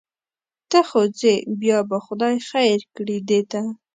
ته خو ځې بیا به خدای خیر کړي دې ته.